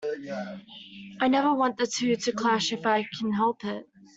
I never want the two to clash if I can help it.